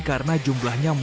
karena jumlahnya melimpah